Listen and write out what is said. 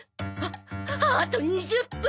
ああと２０分！